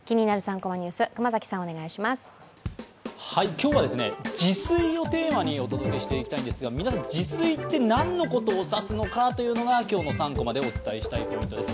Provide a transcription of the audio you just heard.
今日はですね、自炊をテーマにお届けしていきたいんですが、皆さん、自炊って何のことを指すのかというのを今日の３コマでお伝えしたいポイントです。